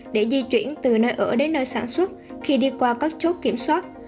để di chuyển từ nơi ở đến nơi sản xuất khi đi qua các chốt kiểm soát